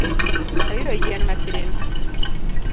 Ayudo yien matin